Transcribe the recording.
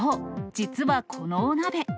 実はこのお鍋。